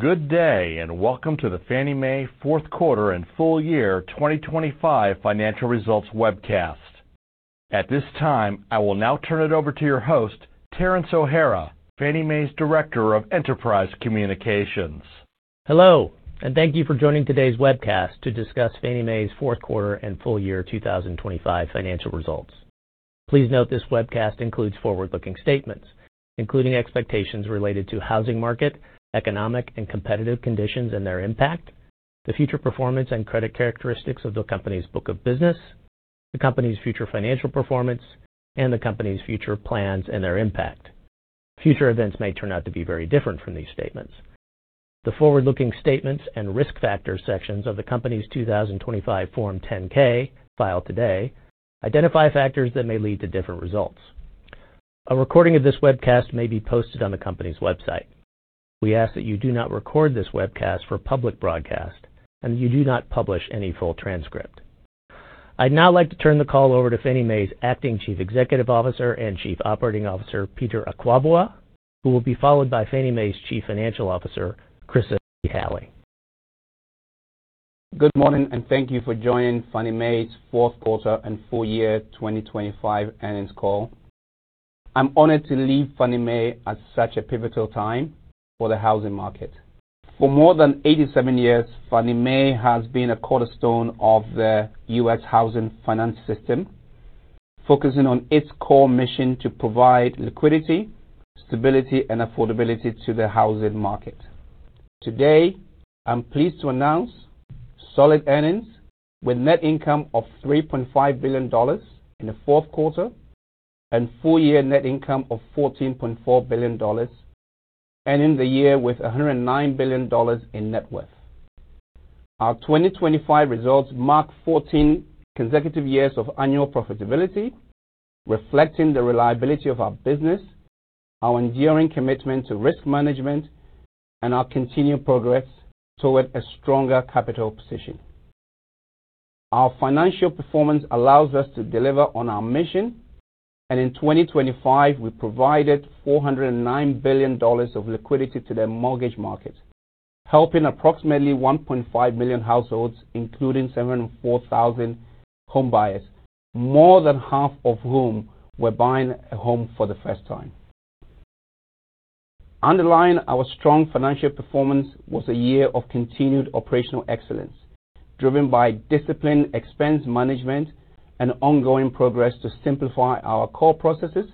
Good day and welcome to the Fannie Mae fourth quarter and full year 2025 financial results webcast. At this time, I will now turn it over to your host, Terence O'Hara, Fannie Mae's Director of Enterprise Communications. Hello, and thank you for joining today's webcast to discuss Fannie Mae's fourth quarter and full year 2025 financial results. Please note this webcast includes forward-looking statements, including expectations related to housing market, economic and competitive conditions and their impact, the future performance and credit characteristics of the company's book of business, the company's future financial performance, and the company's future plans and their impact. Future events may turn out to be very different from these statements. The Forward-Looking Statements and Risk Factors sections of the company's 2025 Form 10-K, filed today, identify factors that may lead to different results. A recording of this webcast may be posted on the company's website. We ask that you do not record this webcast for public broadcast, and that you do not publish any full transcript. I'd now like to turn the call over to Fannie Mae's Acting Chief Executive Officer and Chief Operating Officer Peter Akwaboah, who will be followed by Fannie Mae's Chief Financial Officer Chryssa Halley. Good morning, and thank you for joining Fannie Mae's fourth quarter and full year 2025 earnings call. I'm honored to lead Fannie Mae at such a pivotal time for the housing market. For more than 87 years, Fannie Mae has been a cornerstone of the U.S. housing finance system, focusing on its core mission to provide liquidity, stability, and affordability to the housing market. Today, I'm pleased to announce solid earnings with net income of $3.5 billion in the fourth quarter and full-year net income of $14.4 billion, ending the year with $109 billion in net worth. Our 2025 results mark 14 consecutive years of annual profitability, reflecting the reliability of our business, our enduring commitment to risk management, and our continued progress toward a stronger capital position. Our financial performance allows us to deliver on our mission, and in 2025, we provided $409 billion of liquidity to the mortgage market, helping approximately 1.5 million households, including 704,000 home buyers, more than half of whom were buying a home for the first time. Underlying our strong financial performance was a year of continued operational excellence, driven by disciplined expense management and ongoing progress to simplify our core processes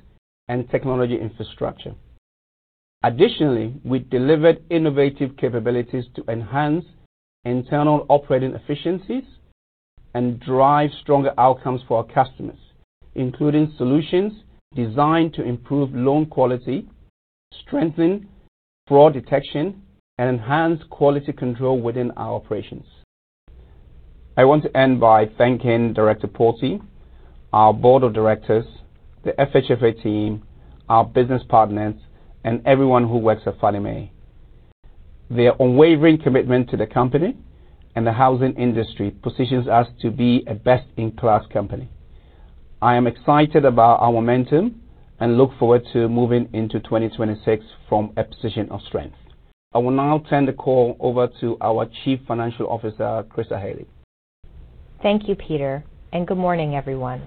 and technology infrastructure. Additionally, we delivered innovative capabilities to enhance internal operating efficiencies and drive stronger outcomes for our customers, including solutions designed to improve loan quality, strengthen fraud detection, and enhance quality control within our operations. I want to end by thanking Director Porty, our board of directors, the FHFA team, our business partners, and everyone who works at Fannie Mae. Their unwavering commitment to the company and the housing industry positions us to be a best-in-class company. I am excited about our momentum and look forward to moving into 2026 from a position of strength. I will now turn the call over to our Chief Financial Officer, Chryssa Halley. Thank you, Peter, and good morning, everyone.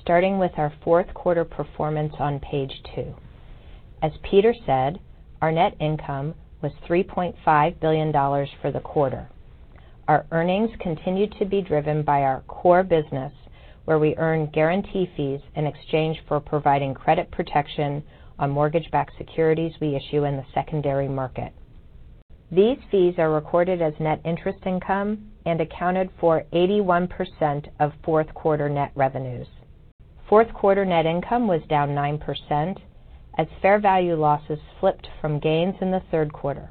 Starting with our fourth quarter performance on page two. As Peter said, our net income was $3.5 billion for the quarter. Our earnings continue to be driven by our core business, where we earn guarantee fees in exchange for providing credit protection on mortgage-backed securities we issue in the secondary market. These fees are recorded as net interest income and accounted for 81% of fourth quarter net revenues. Fourth quarter net income was down 9% as fair value losses flipped from gains in the third quarter.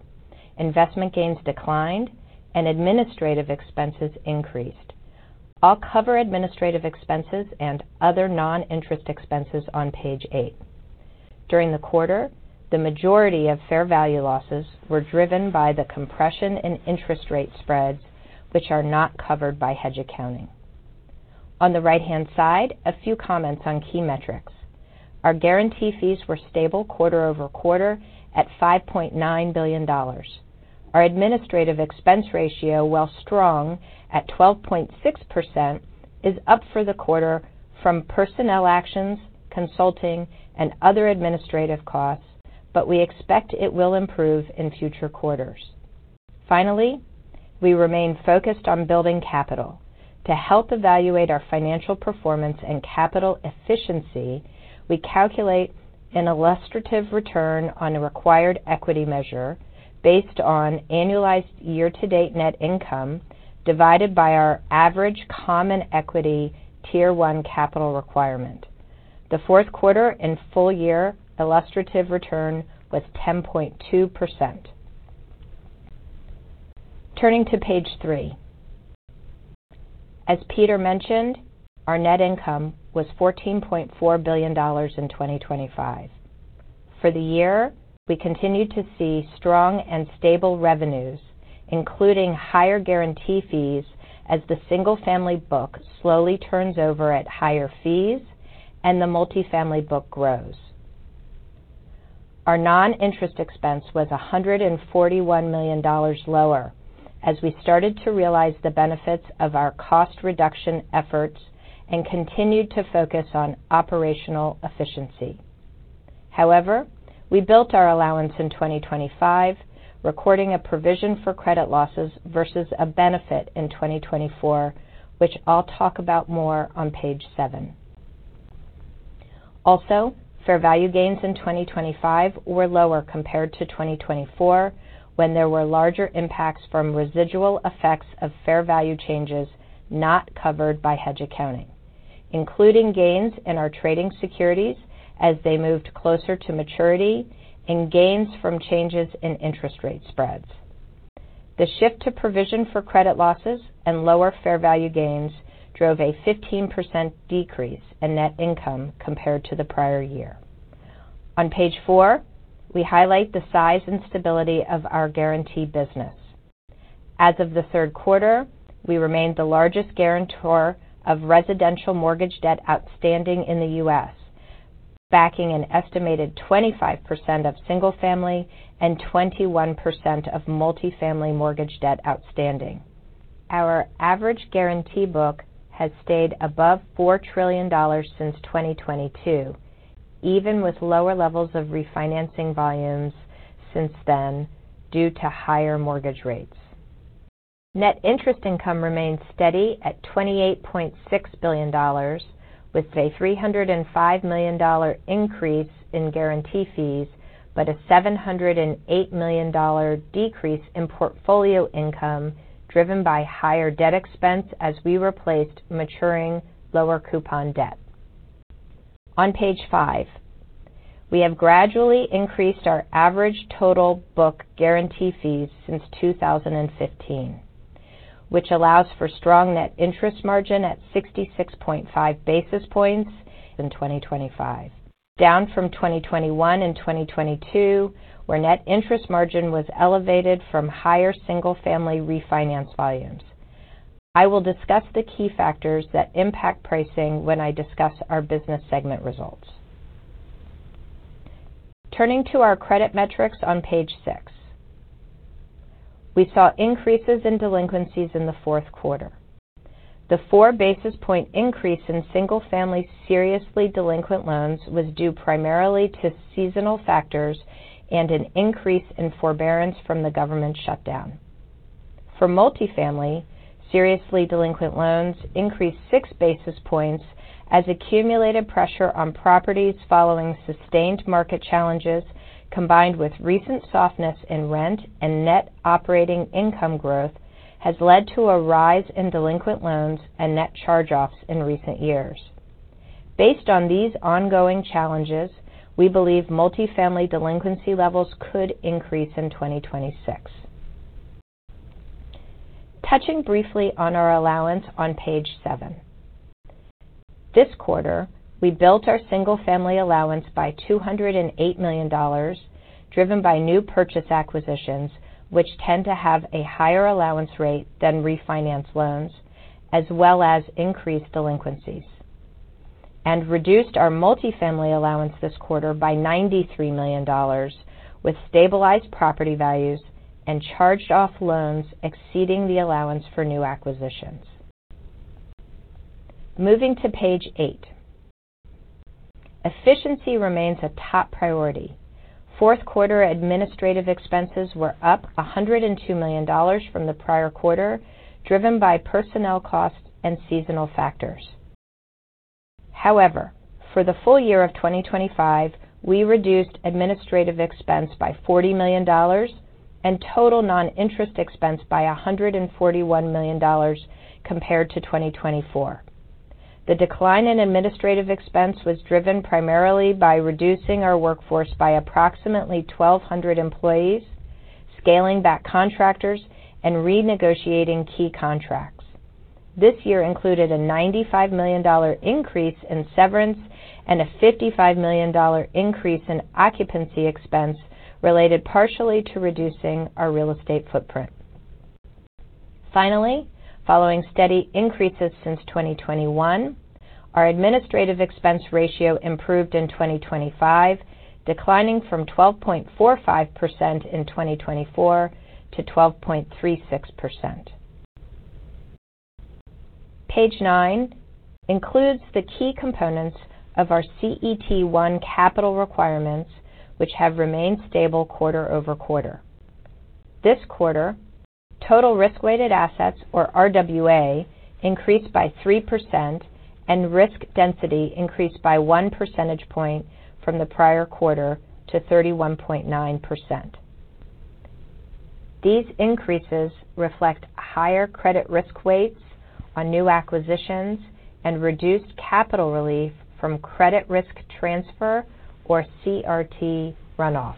Investment gains declined, and administrative expenses increased. I'll cover administrative expenses and other non-interest expenses on page eight. During the quarter, the majority of fair value losses were driven by the compression in interest rate spreads, which are not covered by hedge accounting. On the right-hand side, a few comments on key metrics. Our guarantee fees were stable quarter-over-quarter at $5.9 billion. Our administrative expense ratio, while strong at 12.6%, is up for the quarter from personnel actions, consulting, and other administrative costs, but we expect it will improve in future quarters. Finally, we remain focused on building capital. To help evaluate our financial performance and capital efficiency, we calculate an illustrative return on a required equity measure based on annualized year-to-date net income divided by our average Common Equity Tier 1 capital requirement. The fourth quarter and full-year illustrative return was 10.2%. Turning to page three. As Peter mentioned, our net income was $14.4 billion in 2025. For the year, we continued to see strong and stable revenues, including higher guarantee fees as the Single-Family book slowly turns over at higher fees and the Multifamily book grows. Our non-interest expense was $141 million lower as we started to realize the benefits of our cost reduction efforts and continued to focus on operational efficiency. However, we built our allowance in 2025, recording a provision for credit losses versus a benefit in 2024, which I'll talk about more on page seven. Also, fair value gains in 2025 were lower compared to 2024 when there were larger impacts from residual effects of fair value changes not covered by hedge accounting, including gains in our trading securities as they moved closer to maturity and gains from changes in interest rate spreads. The shift to provision for credit losses and lower fair value gains drove a 15% decrease in net income compared to the prior year. On page four, we highlight the size and stability of our guarantee business. As of the third quarter, we remain the largest guarantor of residential mortgage debt outstanding in the U.S., backing an estimated 25% of single-family and 21% of multifamily mortgage debt outstanding. Our average guarantee book has stayed above $4 trillion since 2022, even with lower levels of refinancing volumes since then due to higher mortgage rates. Net interest income remains steady at $28.6 billion, with a $305 million increase in guarantee fees but a $708 million decrease in portfolio income driven by higher debt expense as we replaced maturing, lower coupon debt. On page five, we have gradually increased our average total book guarantee fees since 2015, which allows for strong net interest margin at 66.5 basis points. In 2025, down from 2021 and 2022, where net interest margin was elevated from higher single-family refinance volumes. I will discuss the key factors that impact pricing when I discuss our business segment results. Turning to our credit metrics on page six. We saw increases in delinquencies in the fourth quarter. The 4 basis point increase in single-family seriously delinquent loans was due primarily to seasonal factors and an increase in forbearance from the government shutdown. For Multifamily, seriously delinquent loans increased 6 basis points as accumulated pressure on properties following sustained market challenges combined with recent softness in rent and net operating income growth has led to a rise in delinquent loans and net charge-offs in recent years. Based on these ongoing challenges, we believe multifamily delinquency levels could increase in 2026. Touching briefly on our allowance on page seven. This quarter, we built our Single-Family allowance by $208 million, driven by new purchase acquisitions, which tend to have a higher allowance rate than refinance loans, as well as increased delinquencies, and reduced our Multifamily allowance this quarter by $93 million, with stabilized property values and charged-off loans exceeding the allowance for new acquisitions. Moving to page eight. Efficiency remains a top priority. Fourth quarter administrative expenses were up $102 million from the prior quarter, driven by personnel costs and seasonal factors. However, for the full year of 2025, we reduced administrative expense by $40 million and total non-interest expense by $141 million compared to 2024. The decline in administrative expense was driven primarily by reducing our workforce by approximately 1,200 employees, scaling back contractors, and renegotiating key contracts. This year included a $95 million increase in severance and a $55 million increase in occupancy expense related partially to reducing our real estate footprint. Finally, following steady increases since 2021, our administrative expense ratio improved in 2025, declining from 12.45% in 2024 to 12.36%. Page nine includes the key components of our CET1 capital requirements, which have remained stable quarter-over-quarter. This quarter, total risk-weighted assets, or RWA, increased by 3%, and risk density increased by one percentage point from the prior quarter to 31.9%. These increases reflect higher credit risk weights on new acquisitions and reduced capital relief from credit risk transfer, or CRT, runoff.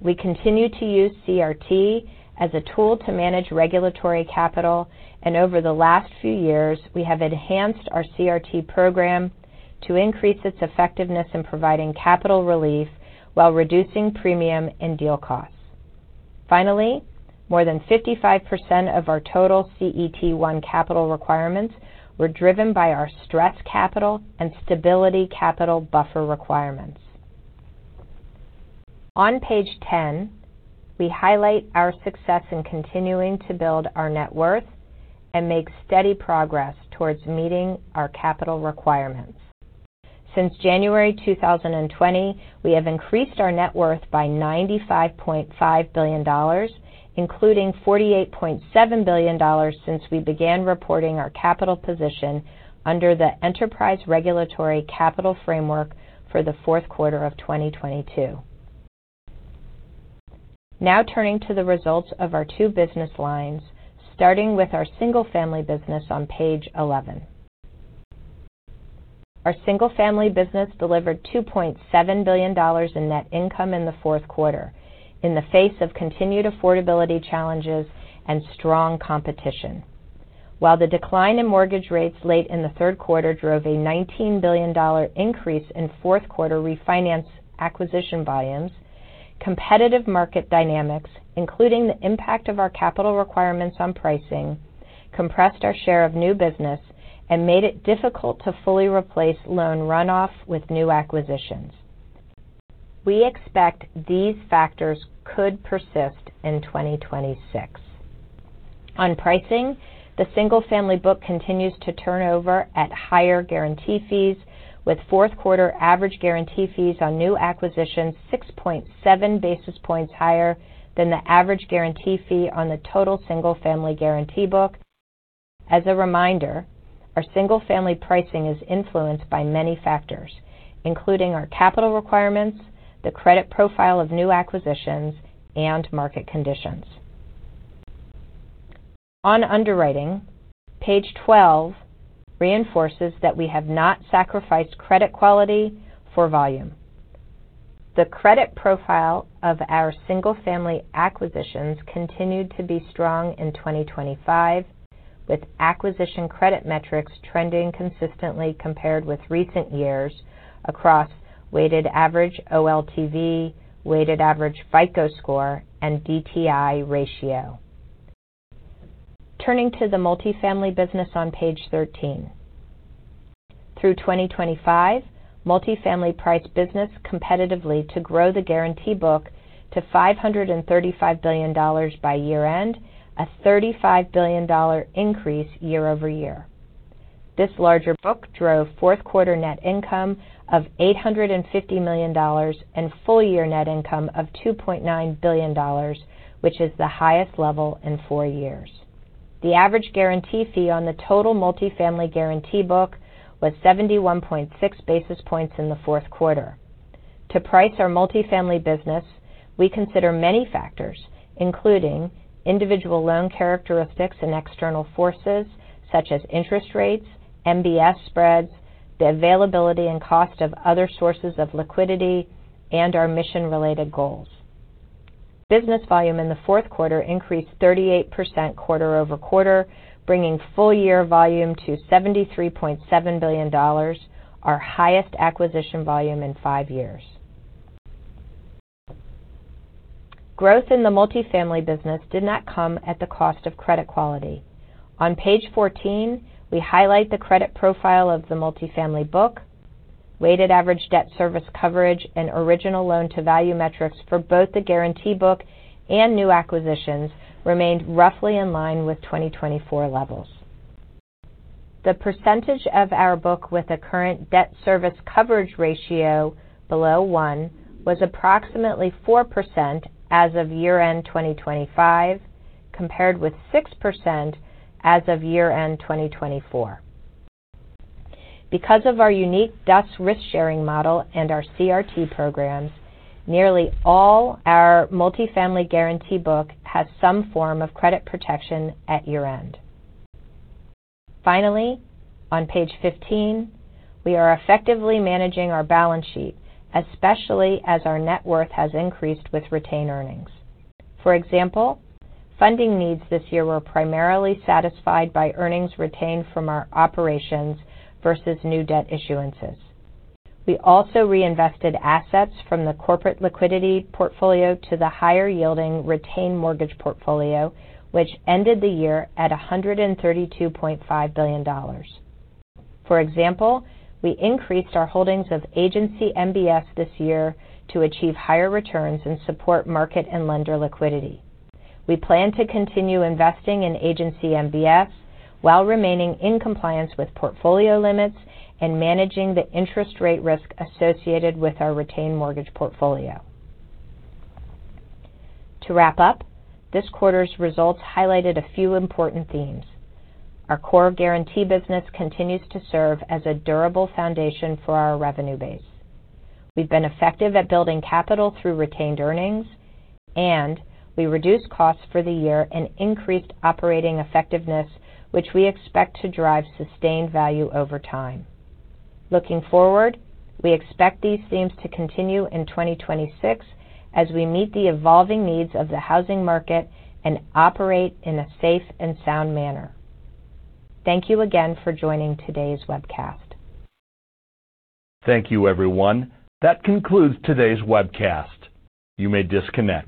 We continue to use CRT as a tool to manage regulatory capital, and over the last few years, we have enhanced our CRT program to increase its effectiveness in providing capital relief while reducing premium and deal costs. Finally, more than 55% of our total CET1 capital requirements were driven by our stress capital and stability capital buffer requirements. On page 10, we highlight our success in continuing to build our net worth and make steady progress towards meeting our capital requirements. Since January 2020, we have increased our net worth by $95.5 billion, including $48.7 billion since we began reporting our capital position under the enterprise regulatory capital framework for the fourth quarter of 2022. Now turning to the results of our two business lines, starting with our single-family business on page 11. Our Single-Family business delivered $2.7 billion in net income in the fourth quarter in the face of continued affordability challenges and strong competition. While the decline in mortgage rates late in the third quarter drove a $19 billion increase in fourth quarter refinance acquisition volumes, competitive market dynamics, including the impact of our capital requirements on pricing, compressed our share of new business, and made it difficult to fully replace loan runoff with new acquisitions. We expect these factors could persist in 2026. On pricing, the single-family book continues to turn over at higher guarantee fees, with fourth quarter average guarantee fees on new acquisitions 6.7 basis points higher than the average guarantee fee on the total single-family guarantee book. As a reminder, our single-family pricing is influenced by many factors, including our capital requirements, the credit profile of new acquisitions, and market conditions. On underwriting, page 12 reinforces that we have not sacrificed credit quality for volume. The credit profile of our single-family acquisitions continued to be strong in 2025, with acquisition credit metrics trending consistently compared with recent years across weighted-average OLTV, weighted-average FICO score, and DTI ratio. Turning to the Multifamily business on page 13. Through 2025, Multifamily priced business competitively to grow the guarantee book to $535 billion by year-end, a $35 billion increase year over year. This larger book drove fourth quarter net income of $850 million and full-year net income of $2.9 billion, which is the highest level in four years. The average guarantee fee on the total multifamily guarantee book was 71.6 basis points in the fourth quarter. To price our Multifamily business, we consider many factors, including individual loan characteristics and external forces such as interest rates, MBS spreads, the availability and cost of other sources of liquidity, and our mission-related goals. Business volume in the fourth quarter increased 38% quarter-over-quarter, bringing full-year volume to $73.7 billion, our highest acquisition volume in five years. Growth in the multifamily business did not come at the cost of credit quality. On page 14, we highlight the credit profile of the multifamily book. Weighted average debt service coverage and original loan-to-value metrics for both the guarantee book and new acquisitions remained roughly in line with 2024 levels. The percentage of our book with a current debt service coverage ratio below one was approximately 4% as of year-end 2025 compared with 6% as of year-end 2024. Because of our unique DUS risk-sharing model and our CRT programs, nearly all our multifamily guarantee book has some form of credit protection at year-end. Finally, on page 15, we are effectively managing our balance sheet, especially as our net worth has increased with retained earnings. For example, funding needs this year were primarily satisfied by earnings retained from our operations versus new debt issuances. We also reinvested assets from the corporate liquidity portfolio to the higher-yielding retained mortgage portfolio, which ended the year at $132.5 billion. For example, we increased our holdings of agency MBS this year to achieve higher returns and support market and lender liquidity. We plan to continue investing in agency MBS while remaining in compliance with portfolio limits and managing the interest rate risk associated with our retained mortgage portfolio. To wrap up, this quarter's results highlighted a few important themes. Our core guarantee business continues to serve as a durable foundation for our revenue base. We've been effective at building capital through retained earnings, and we reduced costs for the year and increased operating effectiveness, which we expect to drive sustained value over time. Looking forward, we expect these themes to continue in 2026 as we meet the evolving needs of the housing market and operate in a safe and sound manner. Thank you again for joining today's webcast. Thank you, everyone. That concludes today's webcast. You may disconnect.